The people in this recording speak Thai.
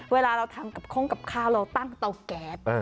เวลาเราทำกับข้องกับข้าวเราตั้งเตาแก๊ส